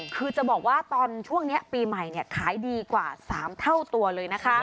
คือจะบอกว่าตอนช่วงนี้ปีใหม่ขายดีกว่า๓เท่าตัวเลยนะคะ